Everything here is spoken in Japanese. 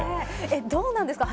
どうなんですか。